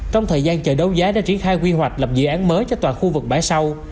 trong thời gian chợ đấu giá đã triển khai quy hoạch lập dự án mới cho toàn khu vực bãi sau